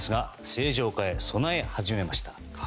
正常化へ備え始めました。